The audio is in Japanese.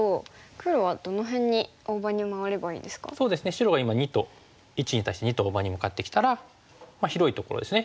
白が今②と①に対して②と大場に向かってきたら広いところですね